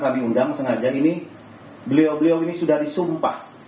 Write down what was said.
kami undang sengaja ini beliau beliau ini sudah disumpah